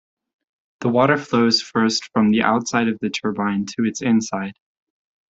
The water flows first from the outside of the turbine to its inside.